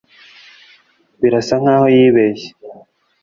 birasa nkaho yibeshye